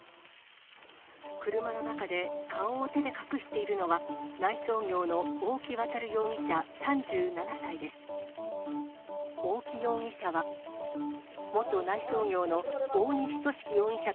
車の中で顔を手で隠しているのは、内装業の大木渉容疑者